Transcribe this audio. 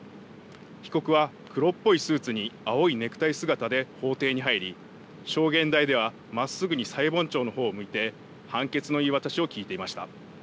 被告は黒っぽいスーツに青いネクタイ姿で法廷に入り証言台ではまっすぐに裁判長のほうを向いて判決の言い渡しを聞いていました。